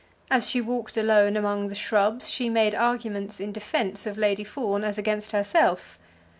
As she walked alone among the shrubs she made arguments in defence of Lady Fawn as against herself.